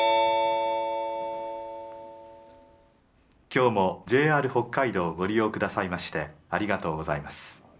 今日もＪＲ北海道をご利用くださいましてありがとうございます。